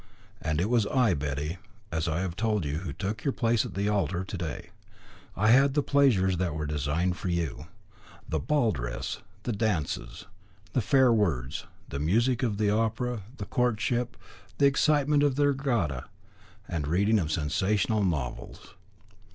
And it was I, Betty, as I have told you, who took your place at the altar to day. I had the pleasures that were designed for you the ball dress, the dances, the fair words, the music of the opera, the courtship, the excitement of the regatta, the reading of sensational novels.